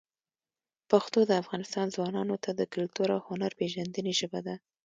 پښتو د افغانستان ځوانانو ته د کلتور او هنر پېژندنې ژبه ده.